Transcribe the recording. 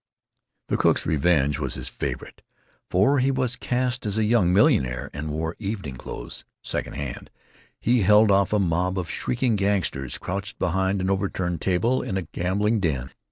"The Crook's Revenge" was his favorite, for he was cast as a young millionaire and wore evening clothes (second hand). He held off a mob of shrieking gangsters, crouched behind an overturned table in a gambling den.